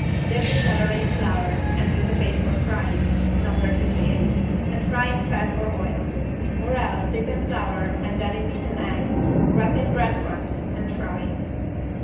Dip the celery in flour and in the paste for frying (No. 58) and fry in fat or oil. Or else dip in flour and then in beaten egg, wrap in bread crumbs and fry.